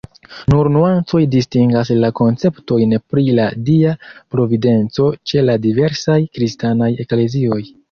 Nur nuancoj distingas la konceptojn pri la Dia Providenco ĉe la diversaj kristanaj eklezioj.